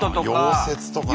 溶接とかね。